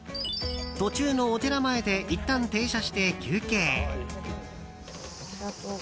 途中のお寺前でいったん停車して休憩。